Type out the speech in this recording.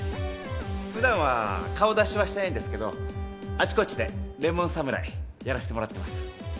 普段は顔出しはしてないんですけどあちこちでレモン侍やらしてもらってます。